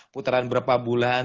putaran berapa bulan